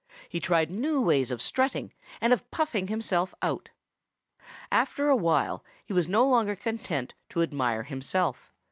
He tried new ways of strutting and of puffing himself out. After a while he was no longer content to admire himself.